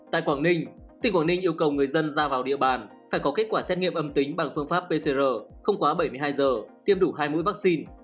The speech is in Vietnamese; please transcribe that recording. tại quảng ninh tỉnh quảng ninh yêu cầu người dân ra vào địa bàn phải có kết quả xét nghiệm âm tính bằng phương pháp pcr không quá bảy mươi hai giờ tiêm đủ hai mũi vaccine